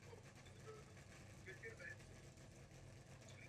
Mimo Austrálie hrál v Turecku.